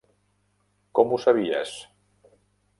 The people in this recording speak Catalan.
Com ho sabies?